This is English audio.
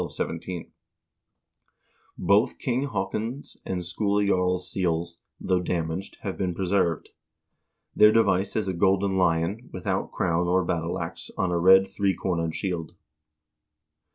Both King Haakon's and Skule Jarl's seals, though damaged, have been preserved. Their device is a golden lion, without crown or battle ax, on a red three cornered shield.